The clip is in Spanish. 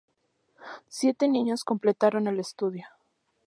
Siete niños completaron el estudio.